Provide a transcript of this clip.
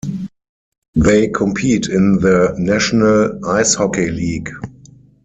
They compete in the National Ice Hockey League.